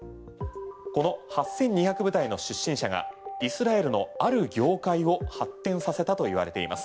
この８２００部隊の出身者がイスラエルのある業界を発展させたといわれています。